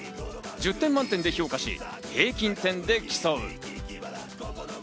１０点満点で評価し、平均点で競う。